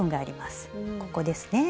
ここですね。